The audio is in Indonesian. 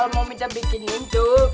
momi terbikinin tuh